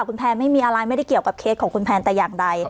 คุณแพนไม่มีอะไรไม่ได้เกี่ยวกับเคสของคุณแพนแต่อย่างใด